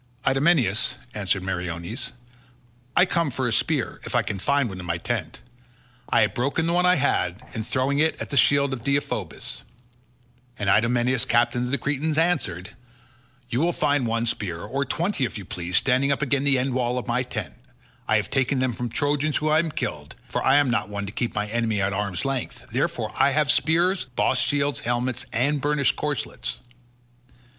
"Idomeneus," answered Meriones, "I come for a spear, if I can find one in my tent; I have broken the one I had, in throwing it at the shield of Deiphobus." And Idomeneus captain of the Cretans answered, "You will find one spear, or twenty if you so please, standing up against the end wall of my tent. I have taken them from Trojans whom I have killed, for I am not one to keep my enemy at arm's length; therefore I have spears, bossed shields, helmets, and burnished corslets."